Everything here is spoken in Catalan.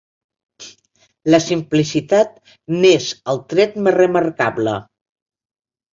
La simplicitat n'és el tret més remarcable.